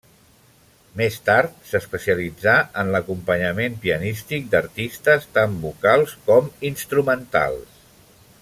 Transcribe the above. Més tard s'especialitzà en l'acompanyament pianístic d'artistes, tant vocals com instrumentals.